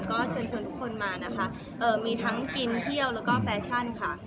ก็เชิญชวนทุกคนมานะคะมีทั้งกินเที่ยวแล้วก็แฟชั่นค่ะ